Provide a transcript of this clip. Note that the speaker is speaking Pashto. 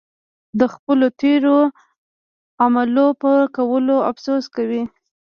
د خپلو تېرو اعمالو پر کولو افسوس کوي.